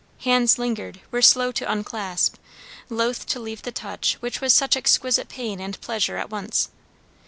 Hands lingered, were slow to unclasp, loath to leave the touch which was such exquisite pain and pleasure at once.